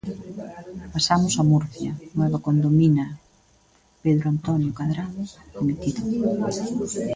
Pasamos a Murcia: Nueva Condomina, Pedro Antonio Cadrado, dimitido.